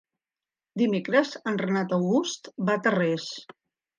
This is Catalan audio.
Dimecres en Renat August va a Tarrés.